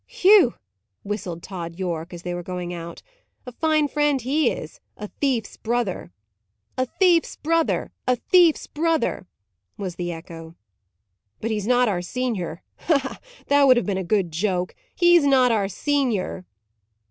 "Whew!" whistled Tod Yorke, as they were going out. "A fine friend he is! A thief's brother." "A thief's brother! A thief's brother!" was the echo. "But he's not our senior. Ha! ha! that would have been a good joke! He's not our senior!"